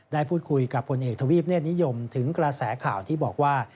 ได้พูดคุยกับพลเอกทวีปเนธนิยมถึงกระแสข่าวที่บอกว่า